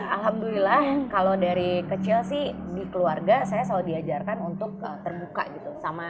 alhamdulillah kalau dari kecil sih di keluarga saya selalu diajarkan untuk terbuka gitu